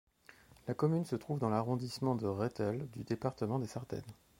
La commune se trouve dans l'arrondissement de Rethel du département des Ardennes.